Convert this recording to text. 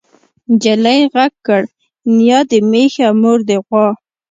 نجلۍ غږ کړ نيا دې مېښه مور دې غوا.